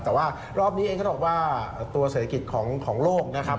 แต่ว่ารอบนี้เองเขาบอกว่าตัวเศรษฐกิจของโลกนะครับ